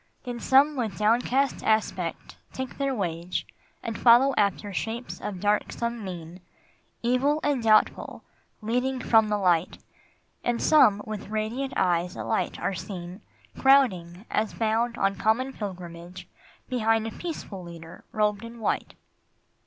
Then some with downcast aspect take their wage And follow after shapes of darksome mien, Evil and doubtful, leading from the light ; And some with radiant eyes alight are seen, Crowding, as bound on common pilgrimage, Behind a peaceful Leader robed in white.